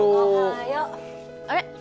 あれ？